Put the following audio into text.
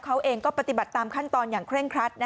เขาเองก็ปฏิบัติตามขั้นตอนอย่างเคร่งครัด